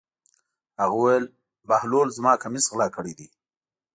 هغه وویل: بهلول زما کمیس غلا کړی دی.